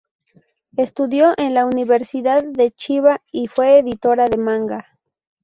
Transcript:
Estudió en la Universidad de Chiba y fue editora de manga.